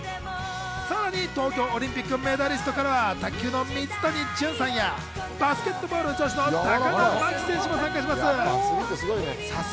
さらに東京オリンピックメダリストからは卓球の水谷隼さんや、バスケットボール女子の高田真希選手も参加します。